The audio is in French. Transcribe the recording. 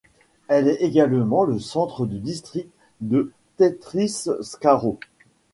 Elle est également le centre du district de Tetritskaro.